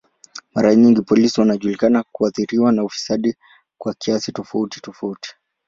Mara nyingi polisi wanajulikana kuathiriwa na ufisadi kwa kiasi tofauti tofauti.